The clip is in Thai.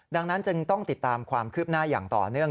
ดังนั้นจึงต้องติดตามความคืบหน้าอย่างต่อเนื่อง